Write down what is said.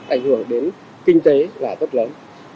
ảnh hưởng đến kinh tế là rất lớn